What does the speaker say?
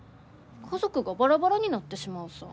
家族がバラバラになってしまうさ。